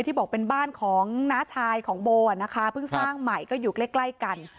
ที่บอกเป็นบ้านของน้าชายของโบอ่ะนะคะเพิ่งสร้างใหม่ก็อยู่ใกล้กัน